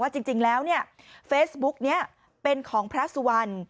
จริงแล้วเฟซบุ๊กนี้เป็นของพระสุวรรณ